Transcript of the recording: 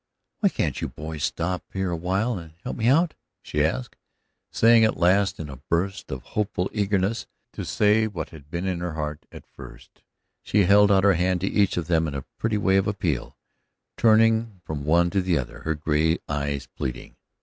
"Why can't you boys stop here a while and help me out?" she asked, saying at last in a burst of hopeful eagerness what had been in her heart to say from the first. She held out her hand to each of them in a pretty way of appeal, turning from one to the other, her gray eyes pleading.